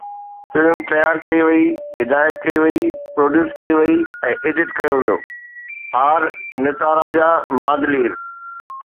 Film تيار ڪئي وئي، هدايت ڪئي وئي، پروڊيوس ڪئي وئي ۽ ايڊٽ ڪيو ويو آر. نتاراجا مادلير